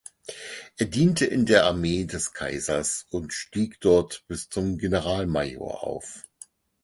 Er diente in der Armee des Kaisers und stieg dort bis zum Generalmajor auf.